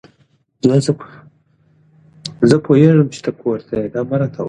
دوی ته د خپل ځواک هوښیاري وښایه.